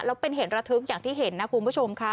และเป็นเห็นระทึงอย่างที่ดูนะคุณผู้ชมคาร์